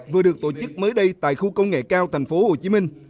vừa được tổ chức mới đây tại khu công nghệ cao tp hcm